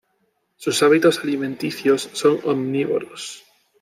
Sus hábitos alimenticios son omnívoros.